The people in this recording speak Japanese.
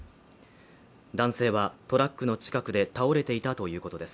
男性はトラックの近くで倒れていたということです。